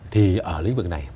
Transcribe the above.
thì ở lĩnh vực này